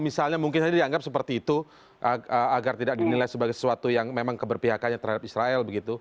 misalnya mungkin saja dianggap seperti itu agar tidak dinilai sebagai sesuatu yang memang keberpihakannya terhadap israel begitu